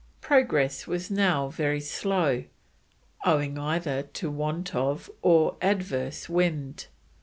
Progress was now very slow, owing either to want of, or adverse wind.